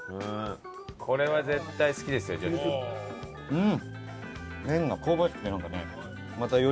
これは絶対好きですよ純次さん。